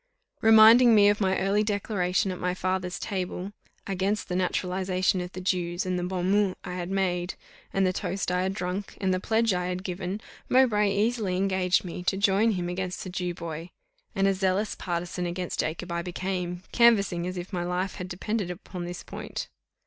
Reminding me of my early declaration at my father's table against the naturalization of the Jews, and the bon mot I had made, and the toast I had drunk, and the pledge I had given, Mowbray easily engaged me to join him against the Jew boy; and a zealous partisan against Jacob I became, canvassing as if my life had depended upon this point.